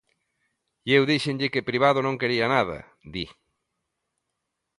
E eu díxenlle que privado non quería nada, di.